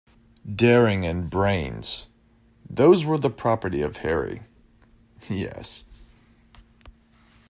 Daring and brains, those were the property of Harry — yes.